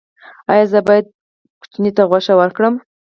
ایا زه باید ماشوم ته غوښه ورکړم؟